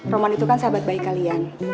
roman itu kan sahabat baik kalian